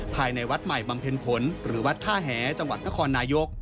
ภายในวัดใหม่บำเพ็ญผลหรือวัดท่าแหจังหวัดนครนายก